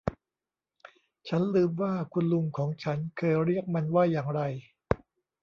ฉันลืมว่าคุณลุงของฉันเคยเรียกมันว่าอย่างไร